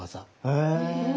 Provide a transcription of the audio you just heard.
へえ。